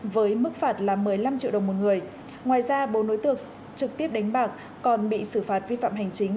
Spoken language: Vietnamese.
với mức phạt là một mươi năm triệu đồng một người ngoài ra bốn đối tượng trực tiếp đánh bạc còn bị xử phạt vi phạm hành chính